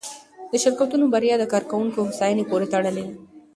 د شرکتونو بریا د کارکوونکو هوساینې پورې تړلې ده.